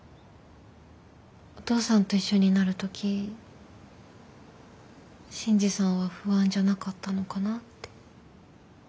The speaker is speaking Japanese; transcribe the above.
お父さんと一緒になる時信爾さんは不安じゃなかったのかなって。